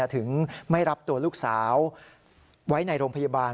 ถึงไม่รับตัวลูกสาวไว้ในโรงพยาบาล